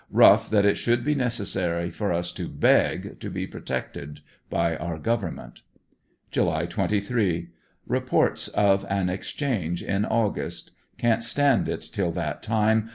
Rough that it should be necessary for us to heg to be pro tected by our government. July 23. — Reports of an exchange in August. Can't stand it till that time.